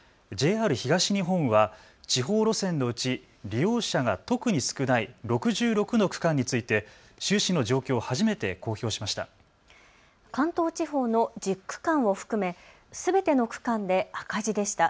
ＪＲ東日本は地方路線のうち利用者が特に少ない６６の区間について収支の状況を初めて公表しました。